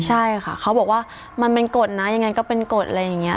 ใช่ค่ะเขาบอกว่ามันเป็นกฎนะยังไงก็เป็นกฎอะไรอย่างนี้